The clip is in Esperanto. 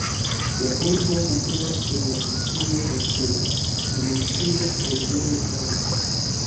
La urbo situas sur la insulo Honŝuo, en ties regiono Kanto.